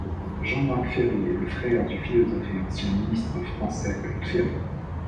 Jean-Marc Ferry est le frère du philosophe et ancien ministre français Luc Ferry.